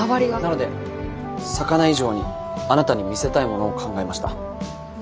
なので魚以上にあなたに見せたいものを考えました。